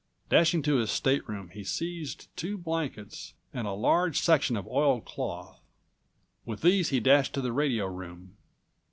Dashing to his stateroom he seized two214 blankets and a large section of oiled cloth. With these he dashed to the radio room.